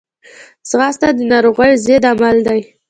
ځغاسته د ناروغیو ضد عمل دی